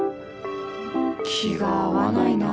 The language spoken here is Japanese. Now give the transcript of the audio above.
気が合わないなあ